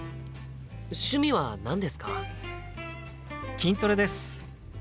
筋トレです。